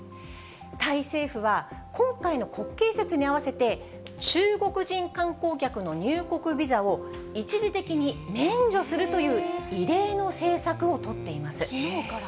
タイ政府は、今回の国慶節に合わせて、中国人観光客の入国ビザを、一時的に免除するという異例の政策を取っています。